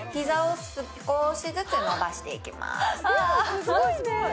膝を少しずつ伸ばしていきます。